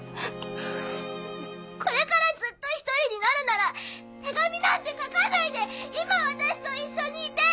これからずっと一人になるなら手紙なんて書かないで今私と一緒にいて！